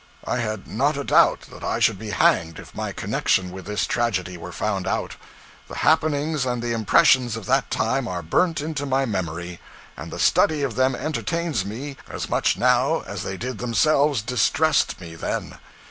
I had not a doubt that I should be hanged if my connection with this tragedy were found out. The happenings and the impressions of that time are burnt into my memory, and the study of them entertains me as much now as they themselves distressed me then.